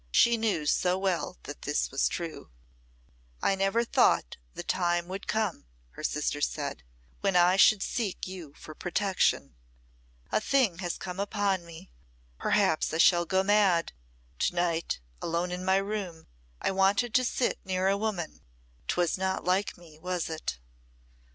She knew so well that this was true. "I never thought the time would come," her sister said, "when I should seek you for protection. A thing has come upon me perhaps I shall go mad to night, alone in my room, I wanted to sit near a woman 'twas not like me, was it?"